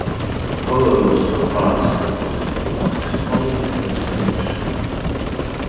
Although the store brands have positive impacts on the retailers image.